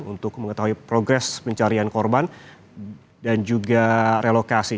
untuk mengetahui progres pencarian korban dan juga relokasi